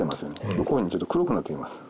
こういうふうにちょっと黒くなってきます。